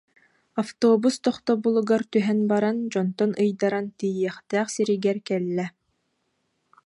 Автобус тохтобулугар түһэн баран, дьонтон ыйдаран тиийиэхтээх сиригэр кэллэ